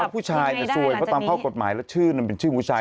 ถ้าผู้ชายจะซวยตามภาคกฎหมายและชื่อมันเป็นชื่อมูลชาย